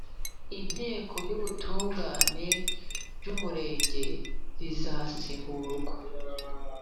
Inteko y Ubutungane y Umurenge izasimburwa